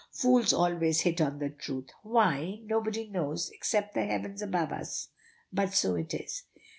Fools always hit on the truth! Why, nobody knows, except the heavens above us but so it is.